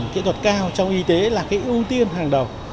kỹ thuật cao trong y tế là cái ưu tiên hàng đầu